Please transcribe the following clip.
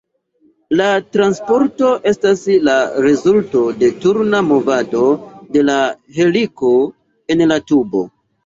La transporto estas la rezulto de turna movado de la helico en la tubo.